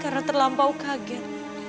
kerak terlampau kaget